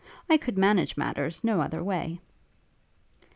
I could manage matters no other way.'